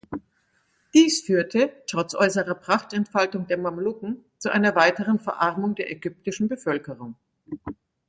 Dies führte, trotz äußerer Prachtentfaltung der Mamluken, zu einer weiteren Verarmung der ägyptischen Bevölkerung.